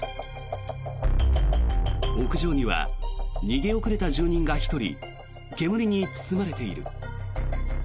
屋上には逃げ遅れた住人が１人煙に包まれている。